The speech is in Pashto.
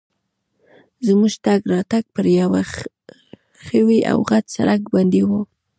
زموږ تګ راتګ پر یوه ښوي او غټ سړک باندي وو.